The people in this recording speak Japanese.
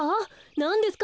なんですか？